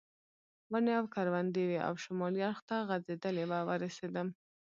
ونې او کروندې وې او شمالي اړخ ته غځېدلې وه ورسېدم.